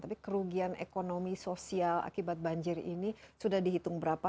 tapi kerugian ekonomi sosial akibat banjir ini sudah dihitung berapa